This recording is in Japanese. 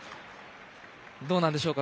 どうなんでしょうかね。